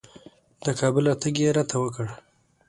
د کابل راتګ یې راته وکړ.